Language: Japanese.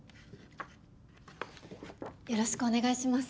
よろしくお願いします。